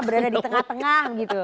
berada di tengah tengah gitu